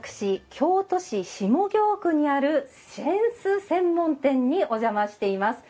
京都市下京区にある扇子専門店にお邪魔しています。